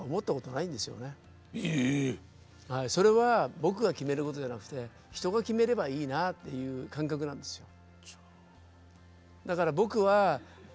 それは僕が決めることじゃなくて人が決めればいいなっていう感覚なんですよ。